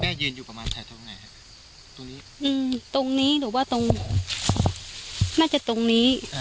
แม่เจนพระเจนนุงพลครั้งนี้